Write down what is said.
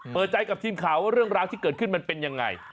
เปิดใจกับทีมข่าวว่าเรื่องราวที่เกิดขึ้นมันเป็นยังไง